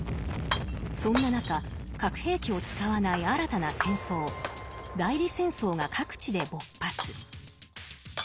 そんな中核兵器を使わない新たな戦争「代理戦争」が各地で勃発。